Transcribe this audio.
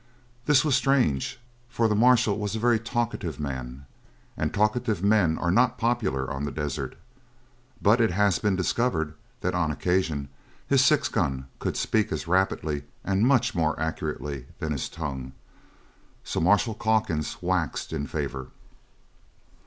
This was strange, for the marshal was a very talkative man, and talkative men are not popular on the desert; but it has been discovered that on occasion his six gun could speak as rapidly and much more accurately than his tongue. So Marshal Calkins waxed in favour.